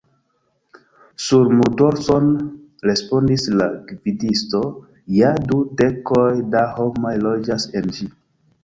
Sur muldorson! respondis la gvidisto, Ja, du dekoj da homoj loĝas en ĝi.